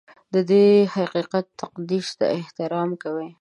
د دې حقیقت تقدس ته احترام کوي.